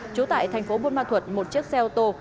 trú tại thành phố buôn ma thuật một chiếc xe ô tô